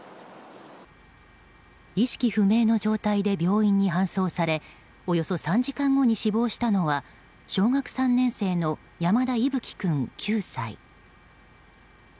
意識不明の状態で病院に搬送されおよそ３時間後に死亡したのは小学３年生の山田偉楓君、９歳。